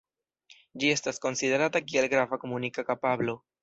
Ĝi estas konsiderata kiel grava komunika kapablo.